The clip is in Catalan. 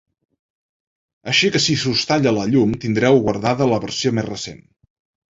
Així que si s’us talla la llum, tindreu guardada la versió més recent.